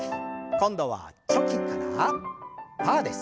今度はチョキからパーです。